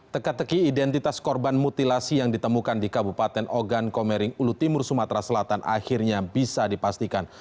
teka teki identitas korban mutilasi yang ditemukan di kabupaten ogan komering ulu timur sumatera selatan akhirnya bisa dipastikan